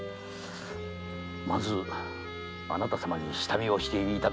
まずあなた様に下見をしていただきたいのですが？